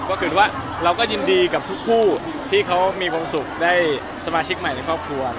ก็คือว่าเราก็ยินดีกับทุกคู่ที่เขามีความสุขได้สมาชิกใหม่ในครอบครัว